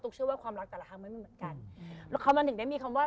คำนั้นถึงได้มีคำว่า